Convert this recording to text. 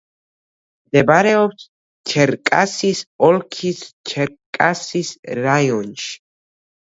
მდებარეობს ჩერკასის ოლქის ჩერკასის რაიონში.